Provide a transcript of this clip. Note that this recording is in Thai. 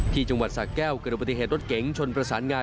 จังหวัดสะแก้วเกิดอุบัติเหตุรถเก๋งชนประสานงาน